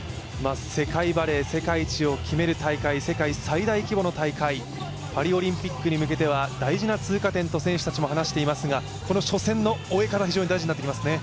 世界バレー、世界一を決める大会、世界最大規模の大会、パリオリンピックに向けては大事な通過点と選手たちも話していますがこの初戦の終え方、非常に大事になってきますね。